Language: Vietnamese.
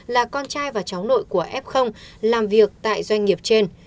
là con trai và cháu nội của f làm việc tại doanh nghiệp trên